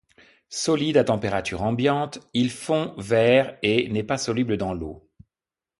Solide à température ambiante, il fond vers et n'est pas soluble dans l'eau.